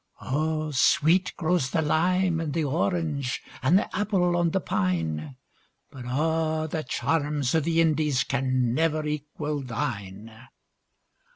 O sweet grows the lime and the orange, And the apple on the pine; But a' the charms o' the IndiesCan never equal thine.